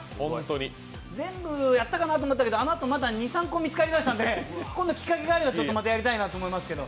全部やったかなと思ったけど、あのあとまだ２３個見つかりましたんで、今度きっかけがあれば、またやりたいなと思いますけど。